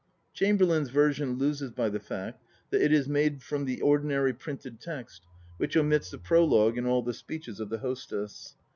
Chamberlain's version loses by the fact that it is made from the ordinary printed text which omits the prologue and all the speeches of the hostess.